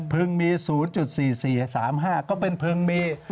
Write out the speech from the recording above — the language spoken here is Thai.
มี๐๔๔๓๕ก็เป็นพึงมี